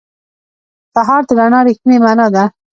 سهار د رڼا رښتینې معنا ده.